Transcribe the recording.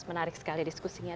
menarik sekali diskusinya